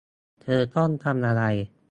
เธอต้องทำอะไร